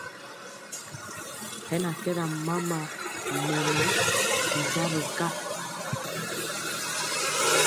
Hɛ na kɛ ɗam mama mɛnɔ ti nkyambe ka.